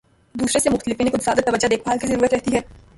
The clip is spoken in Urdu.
دوسرے سے مختلف، انہیں کچھ زیادہ توجہ، دیکھ بھال کی ضرورت رہتی ہے۔